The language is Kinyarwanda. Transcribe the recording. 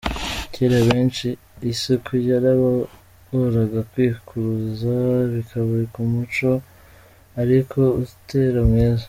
Kera benshi isuku yarabagoraga kwikuruza bikaba nk’umuco, ariko uteri mwiza.